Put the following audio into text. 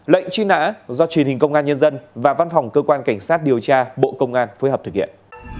lệnh truy nã do truyền hình công an nhân dân và văn phòng cơ quan cảnh sát điều tra bộ công an phối hợp thực hiện